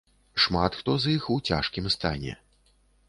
Шмат хто з іх у цяжкім стане.